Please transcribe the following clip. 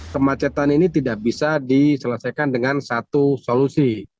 kemacetan ini tidak bisa diselesaikan dengan satu solusi